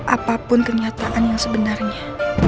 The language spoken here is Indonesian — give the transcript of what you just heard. apapun kenyataan yang sebenarnya